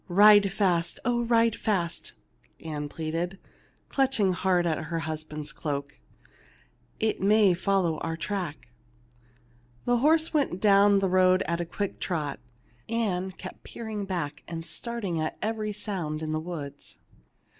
"Ride fast! oh, ride fast!" Ann pleaded, clutching hard at her husband's cloak. "It may follow on our track." The horse went down the road at a quick trot. Ann kept peering back and starting at every sound in the woods.